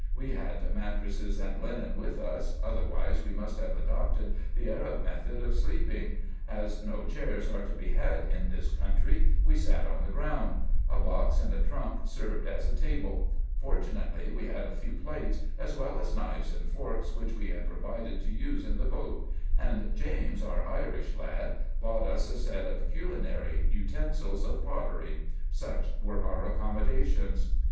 We had mattresses and linen with us, otherwise we must have adopted the Arab method of sleeping : as no chairs are to be had in this country, we sat on the ground ; a box and a trunk served as a table : fortunately, we had a few plates, as well as knives and forks, which we had provided to use in the boat; and James, our Irish lad, bought us a set of culinary utensils, of pottery. Such were our accommodations.